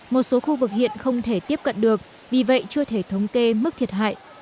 một số khu vực hiện không thể tiếp cận được vì vậy chưa thể thống kê mức thiệt hại